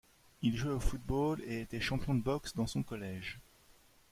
Il jouait au football et était champion de boxe dans son collège.